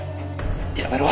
やめろ。